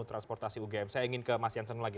transportasi ugm saya ingin ke mas jansen lagi